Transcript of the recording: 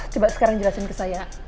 coba sekarang jelasin ke saya